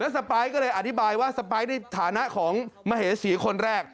สปายก็เลยอธิบายว่าสปายในฐานะของมเหสีคนแรก